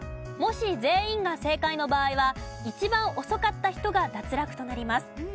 もし全員が正解の場合は一番遅かった人が脱落となります。